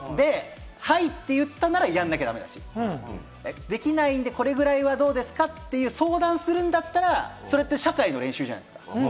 「はい」って言ったなら、やらなきゃ駄目だし、できないんでこれぐらいはどうですか？という相談するんだったら、それって社会の練習じゃないですか。